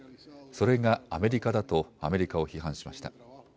それがアメリカだとアメリカを批判しました。